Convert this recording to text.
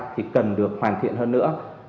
thì cần được hoàn thiện hơn nữa